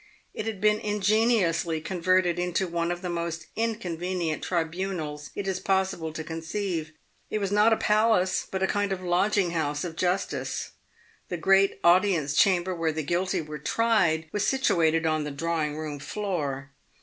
It had been ingeniously converted into one of the most inconvenient tribunals it is possible to conceive. It was not a palace, but a kind of lodging house of justice. The grand audience chamber where the guilty where tried was situated on 'the drawing room floor.